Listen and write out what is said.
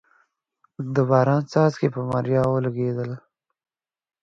د باران څاڅکي پر ماريا ولګېدل.